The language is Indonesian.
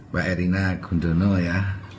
pak erina gudono ya